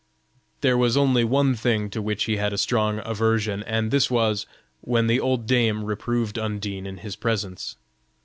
There was only one thing to which he had a strong aversion, and this was, when the old dame reproved Undine in his presence.